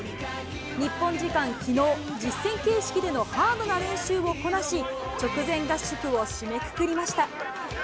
日本時間きのう、実戦形式でのハードな練習をこなし、直前合宿を締めくくりました。